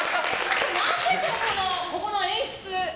何でしょう、ここの演出。